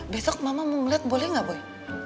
besok mama mau ngeliat boleh gak boy